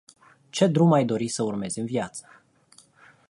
Ce drum ai dori să urmezi în viață.